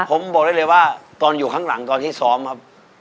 ผมบอกได้เลยว่าตอนอยู่ข้างหลังตอนที่ซ้อมครับ